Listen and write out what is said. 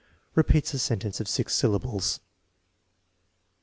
Repeats a sentence of six syllables.